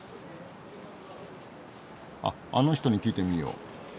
あっあの人に聞いてみよう。